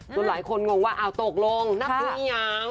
ส่วนหลายคนงงว่าอ่าวตกลงนับถึงยัง